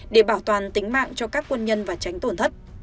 để bảo toàn tính mạng cho các quân nhân và tránh tổn thất